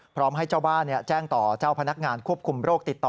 พร้อมให้เจ้าบ้านแจ้งต่อเจ้าพนักงานควบคุมโรคติดต่อ